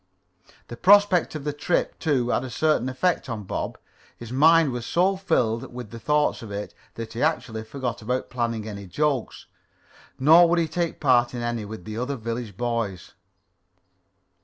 The prospect of the trip, too, had a certain effect on Bob. His mind was so filled with the thought of it, that he actually forgot about planning any jokes. Nor would he take part in any with the other village boys.